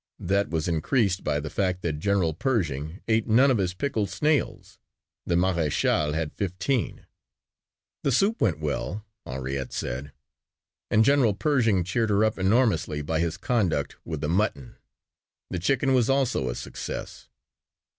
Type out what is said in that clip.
That was increased by the fact that General "Pearshing" ate none of his pickled snails. The Maréchal had fifteen. The soup went well, Henriette said, and General Pearshing cheered her up enormously by his conduct with the mutton. The chicken was also a success.